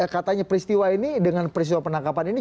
katanya peristiwa ini dengan peristiwa penangkapan ini